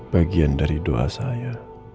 bagian dari doa saya